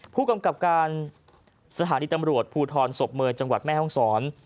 ผู้กำกับการสถานีตำรวจภูทรศพเมย์จังหวัดแม่ห้องศร